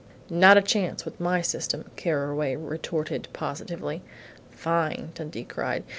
"Not a chance with my system!" Carraway retorted positively. "Fine!" Dundee cried.